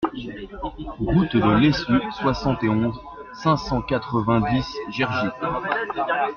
Route de Lessu, soixante et onze, cinq cent quatre-vingt-dix Gergy